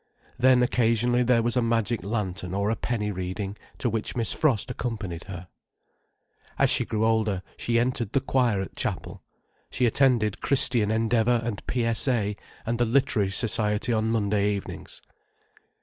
Then occasionally there was a magic lantern or a penny reading, to which Miss Frost accompanied her. As she grew older she entered the choir at chapel, she attended Christian Endeavour and P.S.A., and the Literary Society on Monday evenings.